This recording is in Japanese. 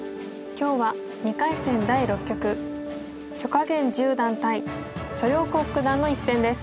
今日は２回戦第６局許家元十段対蘇耀国九段の一戦です。